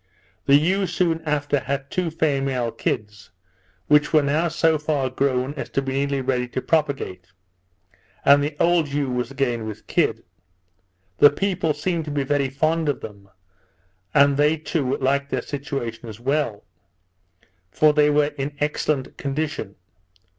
The ewe soon after had two female kids, which were now so far grown as to be nearly ready to propagate; and the old ewe was again with kid. The people seemed to be very fond of them, and they to like their situation as well; for they were in excellent condition.